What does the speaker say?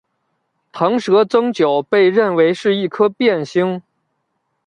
螣蛇增九被认为是一颗变星。